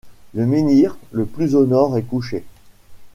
Le menhir, le plus au nord, est couché.